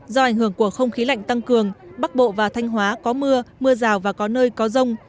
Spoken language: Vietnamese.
do ảnh hưởng của không khí lạnh tăng cường bắc bộ và thanh hóa có mưa mưa rào và có nơi có rông